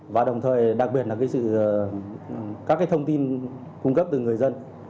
và đồng thời đặc biệt là các thông tin cung cấp từ người dân